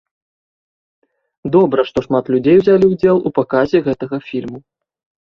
Добра, што шмат людзей узялі ўдзел у паказе гэтага фільму.